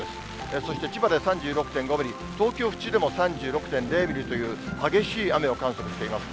そして千葉で３６．５ミリ、東京・府中でも３６．０ミリという、激しい雨を観測しています。